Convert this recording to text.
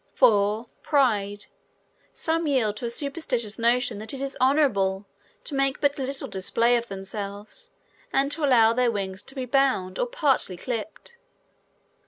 4. Pride. Some yield to a superstitious notion that it is honorable to make but little display of themselves, and allow their wings to be bound or partly clipped.